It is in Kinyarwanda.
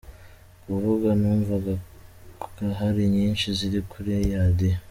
Kuko numvaga hari nyinshi ziri kuri radiyo.